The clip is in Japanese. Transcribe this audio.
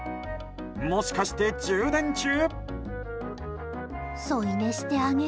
もしかして充電中？